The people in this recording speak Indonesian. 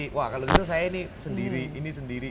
kalau gitu saya ini sendiri